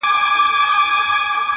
ما د زمانې د خُم له رنګه څخه وساته -